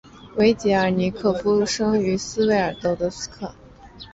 维捷尔尼科夫生于斯维尔德洛夫斯克。